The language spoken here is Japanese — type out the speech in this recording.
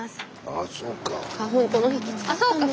あそうか。